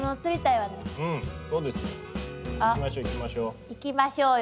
行きましょうよ。